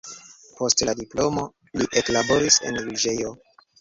Post la diplomo li eklaboris en juĝejo.